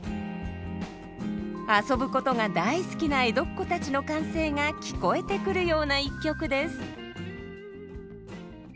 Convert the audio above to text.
遊ぶことが大好きな江戸っ子たちの歓声が聞こえてくるような一曲です。